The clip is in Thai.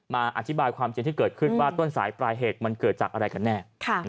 มาอธิบายความจริงที่เกิดขึ้นว่าต้นสายปลายเหตุมันเกิดจากอะไรกันแน่